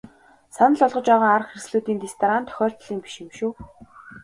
Санал болгож байгаа арга хэрэгслүүдийн дэс дараа нь тохиолдлын биш юм шүү.